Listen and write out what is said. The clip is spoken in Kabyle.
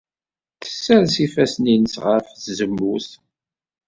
Tessers ifassen-nnes ɣef tzewwut.